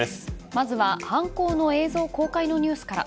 まずは犯行の映像公開のニュースから。